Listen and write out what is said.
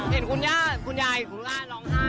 เห็นคุณย่าคุณยายคุณย่าร้องไห้